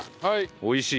はい。